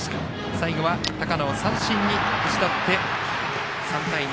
最後は高野を三振に打ち取って３対２。